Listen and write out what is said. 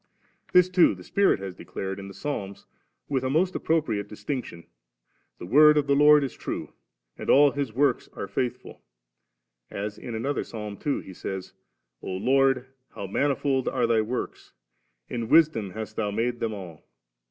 This too the Spirit has declared in the Psalms with a most apposite distinction, * the Word of the Lord is true, and all His works are faithful 9 ;' as in another Psalm too He says, *0 Lord, how manifold are Thy works I in Wisdom hast Thou njade them all'®.'